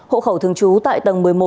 hộ khẩu thường trú tại tầng một mươi một